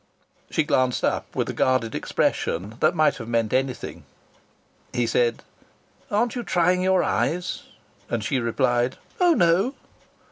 She glanced up, with a guarded expression that might have meant anything. He said: "Aren't you trying your eyes?" And she replied: "Oh, no!"